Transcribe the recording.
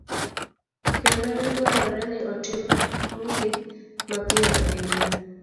kendo ne dwarore ni otimgi mapiyo ahinya